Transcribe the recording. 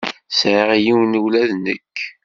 Sεiɣ yiwen ula d nekk.